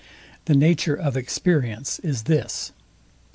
The nature of experience is this.